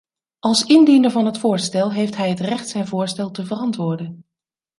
Als indiener van het voorstel heeft hij het recht zijn voorstel te verantwoorden.